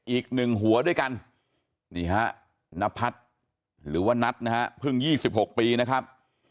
อีก๑หัวด้วยกันนี่ฮะนัพพัฒน์หรือว่านัทฯพึ่ง๒๖ปีนะครับ